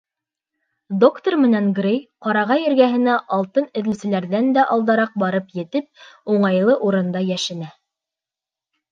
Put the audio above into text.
Доктор менән Грей, ҡарағай эргәһенә алтын эҙләүселәрҙән дә алдараҡ барып етеп, уңайлы урында йәшенә.